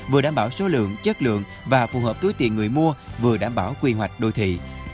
vừa đảm bảo số lượng chất lượng và phù hợp túi tiền người mua vừa đảm bảo quy hoạch đô thị